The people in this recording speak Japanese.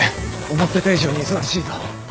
思ってた以上に忙しいぞ。